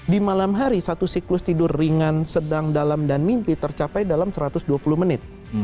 di malam hari satu siklus tidur ringan sedang dalam dan mimpi tercapai dalam satu ratus dua puluh menit